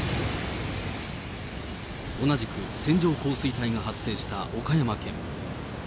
同じく線状降水帯が発生した岡山県。